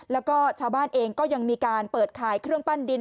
แล้วก็ชาวบ้านเองก็ยังมีการเปิดขายเครื่องปั้นดิน